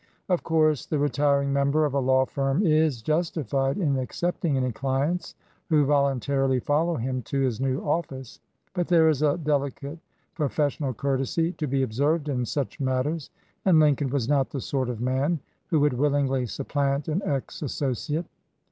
Of course the retiring member of a law firm is justi 134 HEAD OF A LAW FIRM fied in accepting any clients who voluntarily follow him to his new office, but there is a delicate professional courtesy to be observed in such matters, and Lincoln was not the sort of man who would willingly supplant an ex asso ciate.